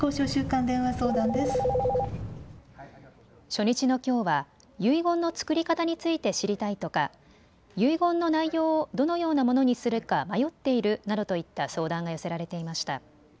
初日のきょうは遺言の作り方について知りたいとか遺言の内容をどのようなものにするか迷っているなどといった相談が寄せられていました。